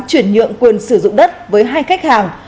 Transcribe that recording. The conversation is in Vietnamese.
chuyển nhượng quyền sử dụng đất với hai khách hàng